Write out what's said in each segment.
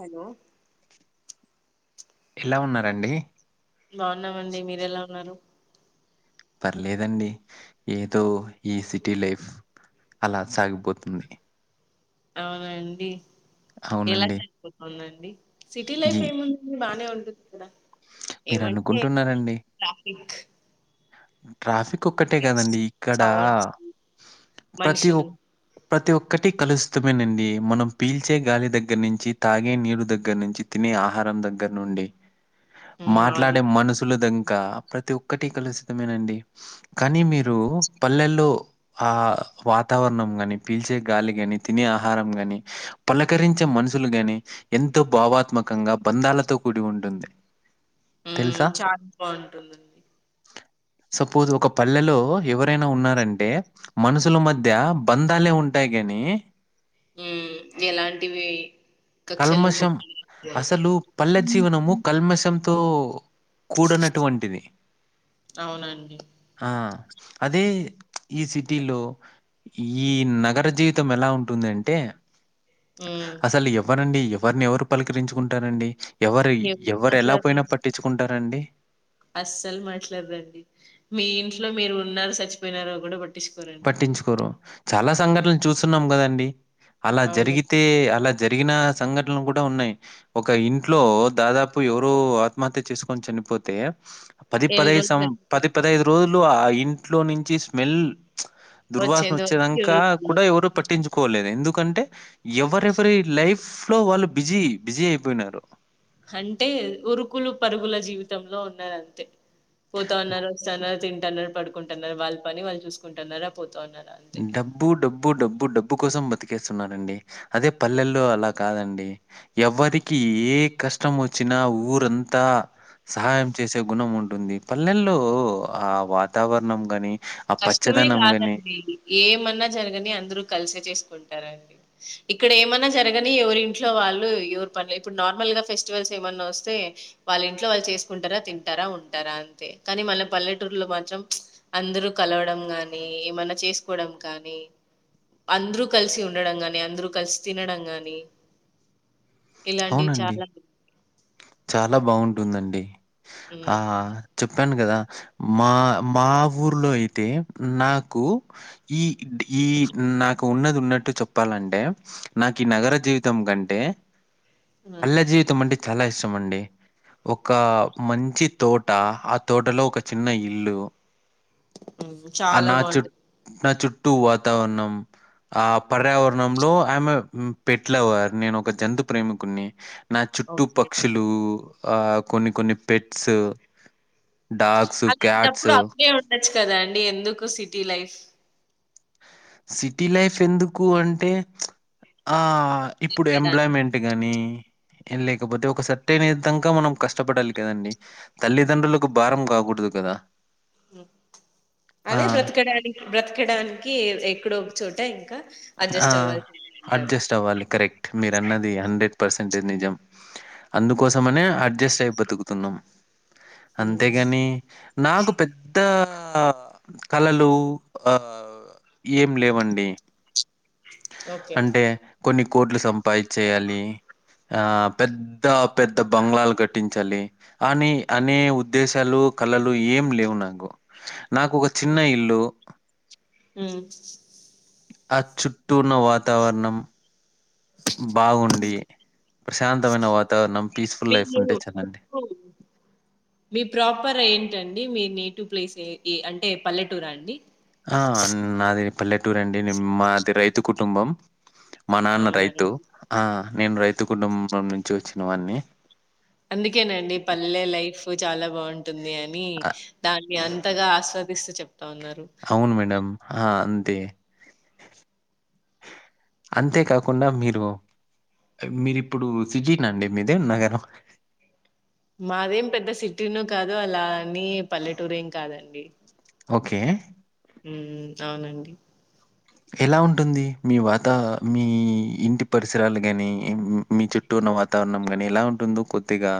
Hello ఎలా ఉన్నారండి బాగున్నామండి మీరు ఎలా ఉన్నారు పర్లేదండి ఏదొ ఈ సీటీ లైఫ్ అలా సాగిపొతుంది అవునండి ఎలా అవునండి. సరిపోతుందండి సిటీ ఈ లైఫ్ ఏముంటుంది బానే ఉంటుంది ఇక్కడ ఏమంటే మీరనుకుంటున్నారండి, ట్రాఫిక్ ట్రాఫిక్ ఒక్కటే కాదండి ఇక్కడా సౌండ్స్ ప్రతి మనుషులు ఒక్ ప్రతి ఒక్కటి కలుస్తమేనండి మనం పీల్చే గాలి దగ్గర నుంచి తాగే నీరు దగ్గర నుంచి తిని నే ఆహారం దగ్గర నుండి ఉమ్ అది మాట్లాడే మనుషులేదంకా ప్రతి ఒక్కటి కలిసి మేనండి కానీ మీరూ పల్లెల్లో ఆహ్ వాతావరణం గాని పీల్చి గాలిగని తినే ఆహారంగని అహ్హ్ పలకరించే మనసులు గాని ఎంతో భావాత్మకంగా ఆ బంధలతో కూడి ఉంటుంది హ్మ్ తెలుసా? చాట్ బాగుంటుం దండి సపోజ్ ఒక పల్లెలో ఎవరైనా ఉన్నారంటే మనసూల మధ్య బంధాలే ఉం టాయి గనీ హ్మ్ ఎలాంటివీ కల్మషం అసలు పల్లె జీవనము కల్మషం తో, కూడనటువంటిది అవునండి ఆ! అదే ఈ సిటీలో ఈ నగర జీవితం ఎలా ఉంటుందంటే ఉమ్ అసలు ఎవరండి ఎవర్ని ఎవరు పలకరించుకుంటారండి ఎవరు ఎవరు ఎలా పోయినా పట్టించుకుంటారండి అస్సలు మాట్లాడరండి మీ ఇంట్లో మీరు ఉన్నారు సచ్చిపోయినారో కూడా బట్ పట్టించుకొరు చాలా సంఘాటనలు చూస్తున్నాం కదండి అలా అవును జరిగితే అలా జరిగిన సంఘట్నాలు కూడా ఉన్నాయి ఒక ఇంట్లో దాదాపు ఎవరో ఆత్మహత్య చేసుకొని చ పోతే పది ఎన్ని పదహైదు సం రోజులు పది పదైదు రోజులు ఆ ఇంట్లో నుంచి స్మెల్ హ్మచ్ దుర్వాసన వచ్చేంత వరకు వచ్చేదంక ఎవరు కూడా ఎవరు పట్టించు కొలేదు ఎందుకంటే ఎవరెవరి లైఫ్ లో వాళ్ళు బిజీ బిజీ అయిపోయినారు అంటే ఉరుకులు పరుగుల జీవితంలో ఉన్నదంతే పోతవున్నారు, వస్తున్నారు, తింటున్నారు, పడుకుంటున్నారు, వాళ్ళ పని వాళ్ళు చూసుకుంటున్నారు పొ డబ్బు డబ్బు డబ్బు డబ్బు కోసం బతికెస్తున్నారండి అదే పల్లెల్లో అలా కాదండి ఉమ్. ఎవరికి ఏ కష్ట ష్టం వచ్చినా ఊరంతా సహాయం చేసే గుణం ఉంటుంది పల్లెల్లో ఆ వాతావరణం గాని ఆ కష్టమే పచ్చదనం గని కాదండి ఏమన్నా జరగని అందరు కలిసే చేసుకుంటారండి. ఇక్కడ ఏమన్నా జరగని ఎవరింట్లో వాల్ వాళ్ళు యోవర్ పనిలా ఇప్పుడు నార్మల్ గా ఫెస్టివల్స్ ఏమన్నా వస్తే వాలా ఇంట్లో వాళ్ళు చేసుకుంటారా, తింటారా ఉంట టారా అంతే కానీ మన పల్లెటూరులో హ్మచ్ మాత్రం అందరు కలవడం గని ఏమన్నా చేసుకోవడం కానీ అందరూ కలిసి ఉండడం గాని అందరూ కలిసి తినడం గాని ఇలాంటివి అవునండి. చాలా చాలా బాగుంటుందండి హ్మ్. ఆహ్ చెప్పు చెప్పాను కదా మా మా ఊర్లో అయితే నాకు ఈ ఇంటిక్ ఈ నాకు ఉన్నది ఉన్నట్టు చెప్పాలంట్ హ్మ్ నాకు ఈ నగర జీవితం కంటే హ్మ్. పల్లె జీవితం అంటే చాలా ఇస్టామండీ ఒక మంచి తోట. ఆ తోటలో ఒక చిన్న ఇల్లు ఆ చాలా నా బావుంట చుట్ నా చుట్టూ వాతావరణం ఆ పర్యావరణంలో ఐయామ్ ఉ పెట్టలవర్ నేను ఒక జంతు ప్రేమిక్ కొన్ని నా చుట్టు ఓకే. పక్షులు ఆ కొన్ని కొన్ని పెట్స్ డాగ్స్, అలాంటప్పుడు క్యాట్స్ అక్కడే ఉండొచ్చు కదా అండి ఎందుకు సిటీ లైఫ్ సిటీ లైఫ్ ఎందుకు అంటే ప్చ్ ఆ అ ఇప్పుడు బ్రతకడానికి? ఎంప్లాయ్మెంట్ కానీ ఏం లేకపోతే ఒక సర్టెన్ ఏజ్ దంకా మనం కష్టపడాలి కదండి. తల్లిదండ్రులకు భారం కావు కూడదు గద అదే బ్రతకడానికి బ్రతకడానికి ఎక్కడో ఒక చోట ఇంకా ఆ అడ్జస్ట్ అవ్వాల్సిందే అంటారు. అడ్జస్ట్ అవ్వాలి కరెక్ట్ మీరు అన్నది హండ్రెడ్ పర్సంటేజ్ నిజం అందుకోసమనే అడ్జస్ట్ అయి బతుకుతున్నాం. హ్మ్. అంతేగాని నాకు పెద్దా ఆ కళలు ఆ ఏం లేవండి ఓకే. అంటే కొన్ని కోట్లు సంపాదించేయాలి ఆ పెద్ద పెద్ద బంగ్లాలు కట్టించాలి అని అనే ఉద్దేశాలు క లలు ఏం లేవు నాకు. నాకు ఒక చిన్న హ్మ్. ఇల్లు హ్మ్. ఆ చుట్ ట్టున్నా వాతావరణం బావుండి ప్రశాంతమైన వాతావరణం, పీస్ఫుల్ లైఫ్ మీరు ఉంటే చాలండి. మీకు మీ ప్రాపర్ ఏంటండి. మీ నేటివ్ ప్లేస్ ఎ అంటే పల్లెటూరా అండి? ఆ నాది పల్లెటూరు అండి, మాది రైతు కుటుంబం. మా నాన్న రైతు అవునండి. ఆ నేను రైతు కుటుంబం నుంచి వచ్చిన వాన్ని. అందుకేనండి పల్లె లైఫ్ చాలా బావుం టుంది అని అ దాన్ని అంతగా ఆస్వాదిస్త చెప్తా ఉన్నారు. అవును మేడం. ఆ అంతే అంతేకాకుండా మీరు మీరిప్పుడు సీటీనాండి మీది నగరం? మాదేం పెద్ద సిటీను కాదు, అలా అని పల్లెటూరు ఏం కాదండి. ఓకే మ్ అవునండి. ఎలా ఉంటుంది మీ వాతా, మీ ఇంటి పరిసరాలు గాని, మీ చుట్టూర్ వాతవరణం గని ఎలా ఉంటుంది కొద్దిగా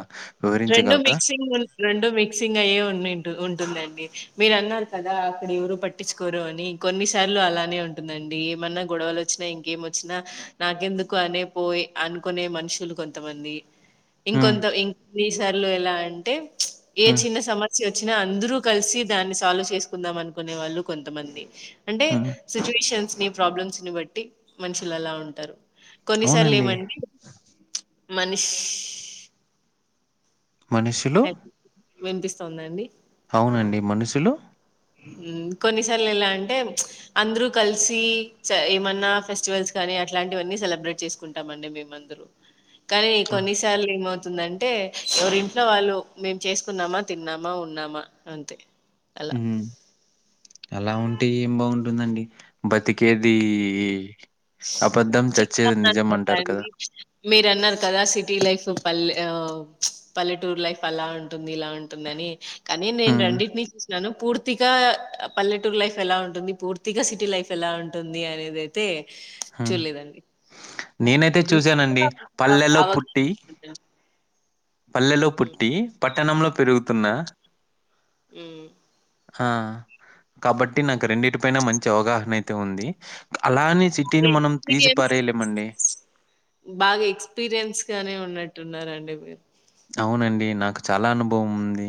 రెండు వివరించగలరా? మిక్సింగ్ ఉన్ రెండు మిక్సింగ్ అయ్యే ఉన్ ఉంటుందండి. మీరు అన్నారు కదా, అక్కడ ఎవరు పట్టించుకోరు అని కొన్నిసార్లు అలానే ఉంటుందండి. ఏమన్నా కూ ఇప్పుడ వాళ్ళు వచ్చినా, ఇంకేమోచ్చినా నాకెందుకు అనే పోయి అనుకునే మనుషులు కొంతమంది హ్మ్. ఇంకొంత ఇం ఈసార్లు ఎలా అంటే ప్చ్ ఏ హ్మ్. చిన్న సమస్య వచ్చినా అందరూ కలిసి దాన్ని సాల్వ్ చేసుకుందాం అనుకునే వాళ్ళు కొంతమంది. అంటే హ్మ్. సిట్యుయేషన్స్ ని ప్రాబ్లమ్స్ని బట్టి మనుషులు అలా ఉంటారు. కొన్నిసార్లు అవునండి. ఏమండి చ్ మనుష్ మనిషులు వినిపిస్తుందండి మనుషులు మ్ కొన్నిసార్లు ఎలా అంటే ప్చ్ అందరు కలిసి ఏమన్నా ఫెస్టివల్స్ కానీ అట్లాంటివన్నీ సెలబ్రేట్ చేసుకుంటామండి మేమందరూ. కానీ ఆ! కొన్నిసార్ ఏమవు తుందంటే ఎవరి ఇంట్లో వాళ్ళు మేము చేసుకున్నామా, తిన్నామా, ఉన్నామా అంతే అలా హ్మ్. అలా ఉంటే ఏం బావుంటుందండి బతికేది అబద్ధం, చచ్చేది నిజం [unintelligible] అంటారు కదా! అండి మీరన్నారు కదా సి టి లైఫ్ పల్లె ఆ పల్లెటూరు లైఫ్ అలా ఉంటుంది ఇలా ఉంటుందిని కానీ నేన్ హ్మ్. రెండింటినీ చూసినాను. పూర్తిగా పల్లెటూరు లైఫ్ ఎలా ఉంటుంది, పూర్తిగా సిటీ లైఫ్ ఎలా ఉంటుంది. అనేది అయితే హ్మ్. చూడలేదండి. నేనైతే చూసానండి పల్లెల్లో పుట్టి అవగాహన పల్లెలో పుట్టి పట్టణంలో పెరుగుతున్న ఉ ఆ కాబట్టి నాకు రెండింటిపైన మంచి అవగాహన అయితే ఉంది. అలా అని సిటీని మె మనం తీసి మీడియమ్స్ పారేయలేమండి. బాగా ఎక్స్పీరియన్స్ గానే ఉన్నట్టున్నారండి. మీరు అవునండి నాకు చాలా అనుభవం ఉంది.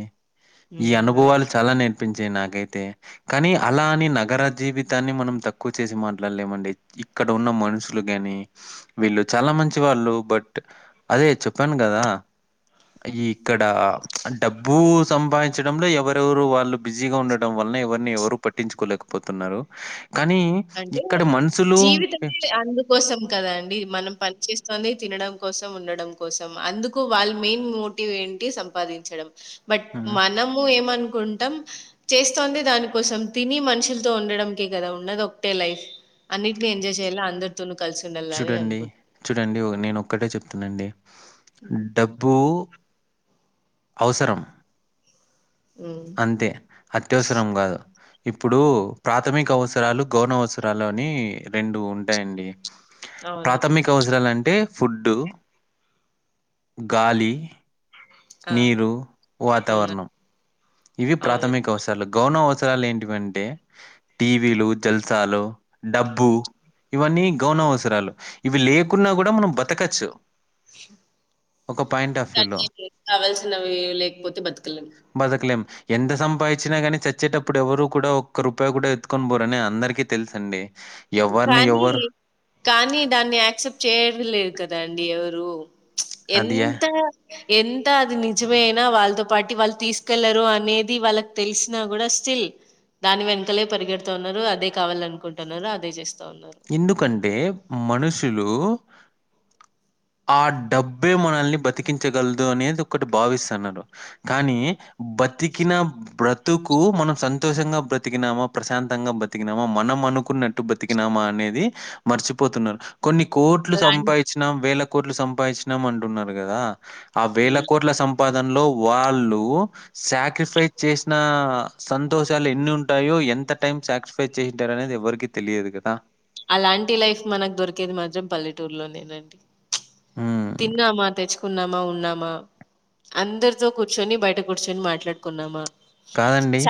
ఈ ఉమ్, అవును. అనుభవాలు చాలా నె పించే నాకైతే కానీ అలాని నగర జీవితాన్ని మనం తక్కువ చేసి మాట్లాడలేమండి. ఇక్కడ ఉన్న మనుషులు కాని, వీళ్ళు చాలా మంచి వాళ్ళు బట్ అదే చెప్పాను కదా. ఉన్న ఈ ఇక్కడ డబ్బు సంపాదించడంలో ఎవరెవరు వాళ్ళు బిజీగా ఉండడం వల్ల ఎవరు ని ఎవరు పట్టించుకోలేకపోతున్నారు. కానీ నండి ఇక్కడ మనుషులు జీవితం విలే అందుకోసం కదా అండి మనం పనిచేస్తుతోంది. తినడం కోసం, ఉండడం కోసం అందుకు వాళ్ళ మెయిన్ మోటివ్ ఏంటి సంపాదించడం బట్ హ్మ్. మనము ఏమన్ కుంటాం. చేస్తోంది దానికోసం తిని మనుషులతో ఉండంకే కదా ఉన్నదొ ఒ కటె లైఫ్ అన్నింటిని ఎంజాయ్ చేయిలా అందరితోను చూడండి చూడండి నేను ఒక్కటే చెప్తుానండి డబ్బు అవసరం అనుకుంట అంతే అత్యవసరం కాదు. ఇప్పుడు ప్రాథమిక అవసరాలు, గౌన అవసరాలు అని రెండు ఉంటాయండి. అవునండి. ప్రాథమిక అవసరాలంటే? ఫుడ్డు, గాలి ఆ! నీరు, హ్మ్. వాతావరణం ఇవి అవునండి. ప్రాథమిక అవసరాలు. గౌనం అవసరాలు ఏంటివింటే టీవీలు, జల్సాలు, డబ్బు ఇవన్నీ గౌన అవసరాలు ఇవి లేకున్నా కూడా మనం బతకచ్చు. ఒక పాయింట్ ఆఫ్ వ్యూలో. కన్నీరీలు కావాల్సినవి లేకపోతే బతుకలెం బతకలేం. ఎంత సంపాదించినా గాని చచ్చేటప్పుడు ఎవరు కూడా ఒక్క రూపాయి కూడా ఎత్తుకొని పోరుని అందరికీ తెలుసఅండి. కానీ కానీ దాన్ని యాక్సెప్ట్ చేయదిలేరు కదా అండి ఎవరు ప్చ్ అదియా ఎంత ఎంత అది నిజమే అయినా వాళ్ళతో పాటు వాళ్ళు తీసుకెళ్లరు అనేది వాళ్ళకి తెలిసినా కూడా స్టిల్ దాని వెనకలే పరిగెడుతన్నారు. అదే కావాల అనుకుంటున్నారు. అ ఎందుకంటే మనుషులు ఆ డబ్బే మనల్ని బతికించగలదు అనేది ఒకటి భావిస్తున్నారు. కానీ బతికిన బ్రతుకు మనం సంతోషంగా బ్రతికినామా, ప్రశాంతంగా బతికినామా మనం మనుకున్నట్టు బతికినామా అనేది మర్చిపోతున్నారు. కొన్ని కోట్లు అలాం సంపాదించిన వేల కోట్లు సంపాదించినాం అంటున్నారు కదా. ఆ వేల హ్మ్. కోట్ల సంపా దన్లో వాళ్ళు సాక్రిఫైస్ చేసిన సంతోషాలు ఎన్ని ఉంటాయో ఏ ఎంత టైం సాక్రిఫైస్ చేయితర్ అని ఎవరికీ తెలియదు కదా. అలాంటి లైఫ్ మనకు దొరికేది మాత్రం పల్లెటూరులోనేనండి. హ్మ్. తిన్నామా, తెచ్చుకున్నామా, ఉన్నామా అందరితో కూర్చొని, బయట కూర్చొని మాట్లాడుకున్నామా కాదండి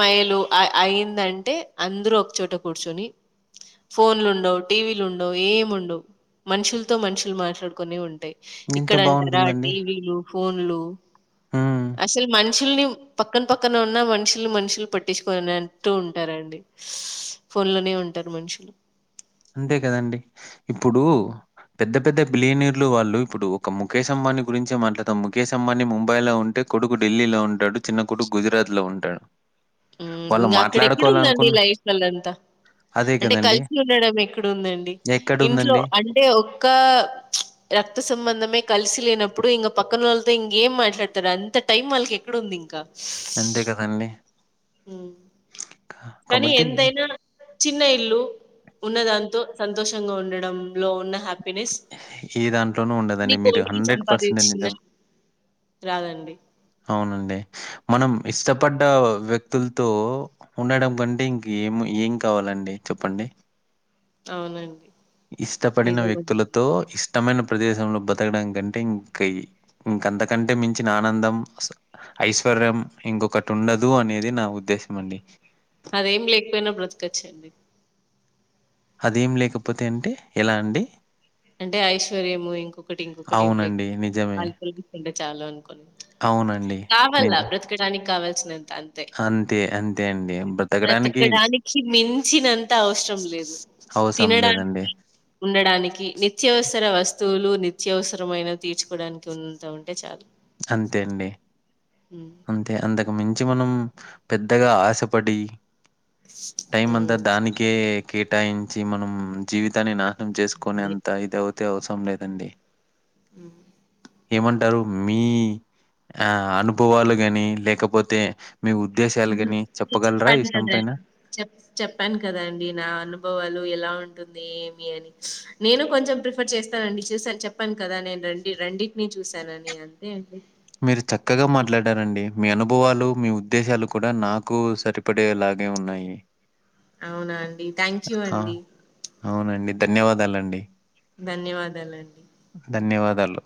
మైలు అయ్ అయిందంటే అందరు ఒకచోట కూర్చొని ఫోన్లు ఉండవు, టీవీలు ఉండవు, ఏం ఉండవు మనుషులతో మనుషులు మాట్లాడుకునే ఉంటాయి. ఎంత ఇక్కడ అంటారా బావుంటుందండి. టీవీలు, ఫోన్లు హ్మ్. అసలు మన్ మనుషుల్ని పక్కన్ పక్కన ఉన్నా మనుషుల్ మనుషులు పట్టించుకోనట్టూ ఉంటారండి. ఫోన్లనే ఉంటరు మనుషులు. అంతే కదండి ఇప్పుడు పెద్ద పెద్ద బిల్లినియెర్లు వాళ్ళు ఇప్పుడు ఒక ముఖేష్ అంబాని గురించె మాట్లాడుతాం. ముఖేష్ అంబాని ముంబై లో ఉంటే కొడుకు ఢిల్లీ లో ఉంటాడు చిన్న కొడుకు గుజరాత్ లో ఉంటాడు. ఉమ్ వాళ్ళు ఇంగ అక్కడెక్కడ ఉందండి మాట్లాడుకోవాలనుకున్న లైఫ్లలంతా అదే అంటే కదండీ. కలిసి వండడం ఎక్కడుందండి ఇంట్లో ఎక్కడుందండి? అంటే ఒక్కా రక్తసంబంధమే కలిసి లేనప్ ఇప్పుడు ఇంగ పక్కనోల్లతో ఇంకేం మాట్లాడ్తారు అంత టైం వాళ్ళకెక్కడుంది ఇంకా అంతే కదా అండి. మ్ కనీ ఎంతైనా చిన్న ఇల్లు ఉన్నదాంతో సంతోషంగా ఉండడంలో ఉన్న హ్యా హ్యాపీనెస్ ఏ దాంట్లోనూ ఉండదండి. మీరు కోటి సంపాదిచిన్ నిజం. రాదండి. అవునండి మనం ఇష్టపడ్డ వ్యక్తుల్తో ఉండడం కంటే ఇంకేం ఏం కావాలండి చెప్పండి. అవునండి. ఇష్టపడిన నిజమండి. వ్యక్తులతో ఇష్టమైన ప్రదేశంలో బతకడం కంటే ఇంకా ఇంకంతకంటే మించిన ఆనందం అసల్ ఐశ్వర్యం ఇంకొకట్ ఉండదు అనేది నా ఉద్దేశం అండి. అదేం లేక్పోయినా బ్రతకచ్ అండీ ఆదేం లేకపోతే అంటే ఎలా అండి. అంటే ఐశ్వర్యము ఇంకొకటి ఇంకొకటి ఏం లేక్ అవునండి. నిజమే. ఆలోచిస్తుంటే చాలు అన్ అవునండి. కావాల నిజ బ్రతకడానికి కావాల్సినం త అంతే అంతే. అంతే అండి. బ్రతకడానికి మించ్చినంత అవసరం లేదు. అవ్సరం లేదండి. తినడానికి, ఉండడానికి ని త్యవసర వస్తువులు నిత్యవసరమైన తీర్చుకోవడానికి ఎంత ఉంటే చాలు అంతేయండి. హ్మ్. అంతే అంతకుమించి మనం పెద్దగా ఆశపడి టైం అంతా హ్మ్. దానికే కేటాయించి మనం జీవితాన్ని నా నం చేస్కునే అంత ఇది అవుతే అవసరం లేదండి. మ్ టరు మీ ఆ అనుభవాలు కాని లేకపోతే మీ ఉద్దేశాలు అవును గాని చెప్పగలరా ఈ చెప్పాను విషయం కదా పైన? చెప్ చెప్పాను కదాండి నా అనుభవాలు ఎలా ఉం ఉంటుంది ఏమి అని నేను కొంచెం ప్రిఫర్ చేస్తానండి చుసాను చెప్పం కదా నేన్ రండి రండింటిని చూశానని అంతే అండి. మీరు చక్కగా మాట్లాడారండి మీ అనుభవాలు మీ ఉద్దేశాలు కూడా నాకు సరిపడేలా నే ఉన్నాయి. అవునా అండి థ్యాంక్యు ఆ! అండి. అవునండి. ధన్యవాదాలండి. ధన్యవాదాలండి. ధన్యవాదాలు